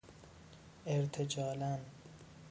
ارتجالاً